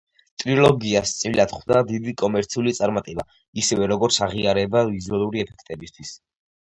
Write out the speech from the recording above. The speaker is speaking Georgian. ტრილოგიას წილად ხვდა დიდი კომერციული წარმატება, ისევე, როგორც აღიარება ვიზუალური ეფექტებისთვის.